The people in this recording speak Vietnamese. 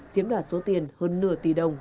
chiếm đoạt số tiền hơn nửa tỷ đồng